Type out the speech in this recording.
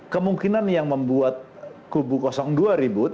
kemungkinan yang membuat kubu dua ribut